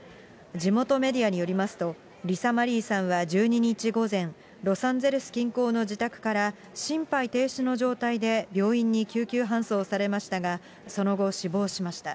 地元メディアによりますと、リサ・マリーさんは１２日午前、ロサンゼルス近郊の自宅から、心肺停止の状態で病院に救急搬送されましたがその後、死亡しました。